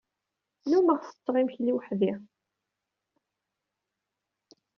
Nnummeɣ setteɣ imekli weḥd-i.